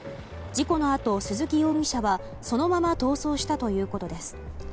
事故のあと、鈴木容疑者はそのまま逃走したということです。